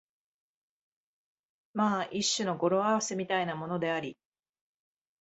まあ一種の語呂合せみたいなものであり、